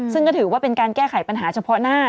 ซึ่งก็ถือว่าเป็นการแก้ไขปัญหาเฉพาะหน้า